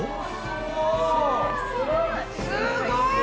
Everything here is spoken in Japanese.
すごい！